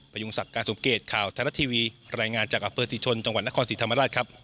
ยุงศักดิ์การสมเกตข่าวไทยรัฐทีวีรายงานจากอำเภอศรีชนจังหวัดนครศรีธรรมราชครับ